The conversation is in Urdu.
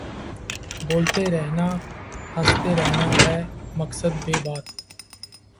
بولتے رہنا ہنستے رہنا بے مقصد بے بات